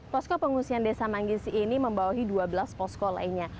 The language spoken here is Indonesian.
posko pengungsian desa manggis ini membawahi dua belas posko lainnya